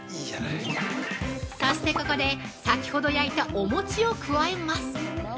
◆そしてここで、先ほど焼いたお餅を加えます。